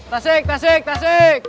tasik tasik tasik